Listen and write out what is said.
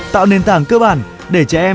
tạo nền tảng cơ bản để trẻ em